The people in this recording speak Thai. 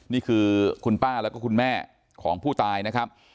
นี่คือคุณป้าแล้วก็คุณแม่ของผู้ตายนะครับ